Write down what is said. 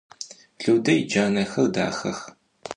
Lüde yicanexer daxex.